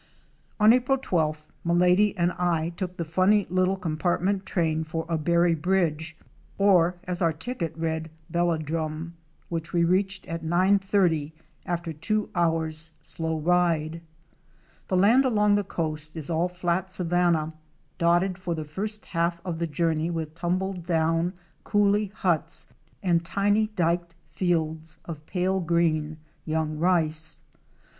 On April 12th, Milady and I took the funny little compart ment train for Abary Bridge, or, as our ticket read, Bella drum, which we reached at 9.30 after a two hours' slow ride. 35° THE LIFE OF THE ABARY SAVANNAS. 351 The land along the coast is all flat savanna, dotted for the first half of the journey with tumbled down coolie huts and tiny dyked fields of pale green young rice.